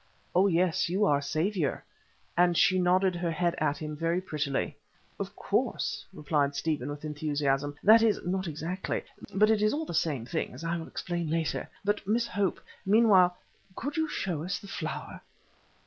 Oh yes, you are saviour," and she nodded her head at him very prettily. "Of course," replied Stephen with enthusiasm; "that is, not exactly, but it is all the same thing, as I will explain later. But, Miss Hope, meanwhile could you show us the Flower?"